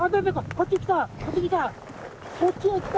こっちへ来た！